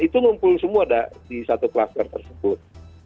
itu ngumpul semua di satu kluster tersebut